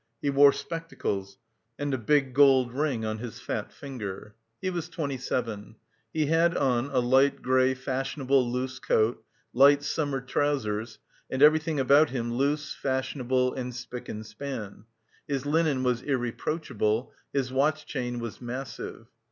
He wore spectacles, and a big gold ring on his fat finger. He was twenty seven. He had on a light grey fashionable loose coat, light summer trousers, and everything about him loose, fashionable and spick and span; his linen was irreproachable, his watch chain was massive.